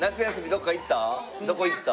どこ行った？